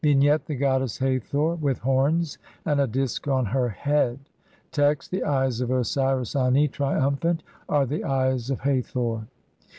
Vignette : The goddess Hathor, with horns and a disk on her head. Text : (3) The eyes of Osiris Ani, triumphant, are the eyes of Hathor.